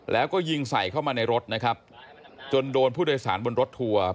แล้วก็ยิงใส่เข้ามาในรถนะครับจนโดนผู้โดยสารบนรถทัวร์